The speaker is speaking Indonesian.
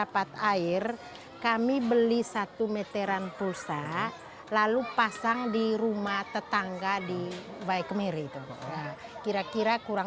mereka masih berpengalaman